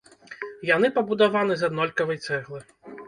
Яны пабудаваны з аднолькавай цэглы.